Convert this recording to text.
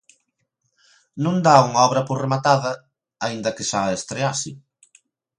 Non dá unha obra por rematada aínda que xa a estrease.